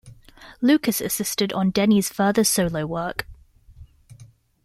Lucas assisted on Denny's further solo work.